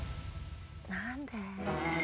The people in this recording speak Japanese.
何で？